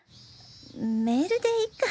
メールでいっか。